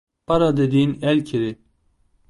Para dediğin el kiri.